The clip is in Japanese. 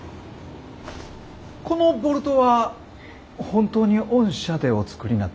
このボルトは本当に御社でお作りになったんですか？